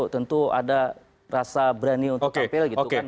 tentu ada rasa berani untuk tampil gitu kan